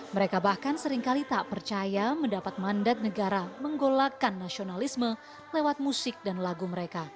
mereka bahkan seringkali tak percaya mendapat mandat negara menggolakan nasionalisme lewat musik dan lagu mereka